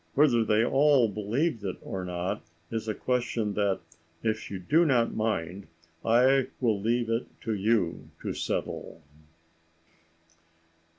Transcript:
Whether they all believed it or not is a question that, if you do not mind, I will leave it to you to settle.